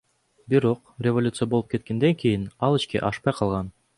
Бирок революция болуп кеткенден кийин ал ишке ашпай калган.